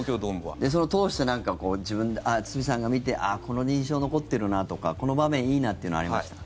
それを通してなんかこう、堤さんが見てここ印象に残ってるなとかこの場面いいなというのはありました？